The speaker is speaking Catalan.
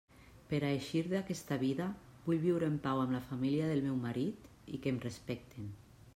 Per a eixir d'aquesta vida vull viure en pau amb la família del meu marit i que em respecten.